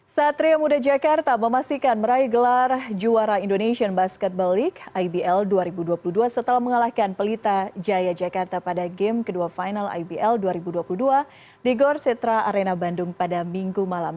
satria muda jakarta memastikan meraih gelar juara indonesian basketball league ibl dua ribu dua puluh dua setelah mengalahkan pelita jaya jakarta pada game kedua final ibl dua ribu dua puluh dua di gorsetra arena bandung pada minggu malam